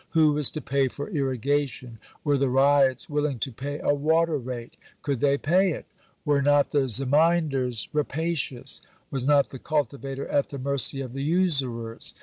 Who was to pay for irrigation? Were the ryots willing to pay a water rate? Could they pay it? Were not the Zemindars rapacious? Was not the cultivator at the mercy of the usurers?